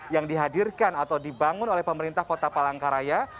yang dihadirkan atau dibangun oleh pemerintah kota palangkaraya